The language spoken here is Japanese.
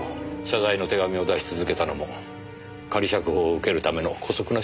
謝罪の手紙を出し続けたのも仮釈放を受けるための姑息な手段ですか？